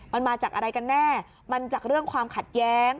มันมาจากอะไรกันแน่มันจากเรื่องความขัดแย้ง